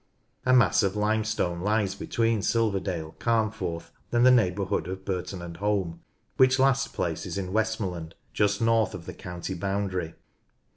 A mass of limestone lies between Silverdale, Carnforth, and the neighbourhood of Burton and Holme, which last place is in Westmorland, just north of the county boundary.